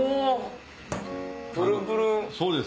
プルプル！